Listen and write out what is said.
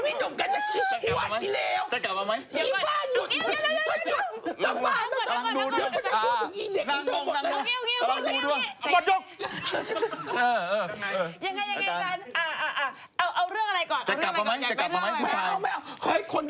ผู้ชายจะกลับมาไหม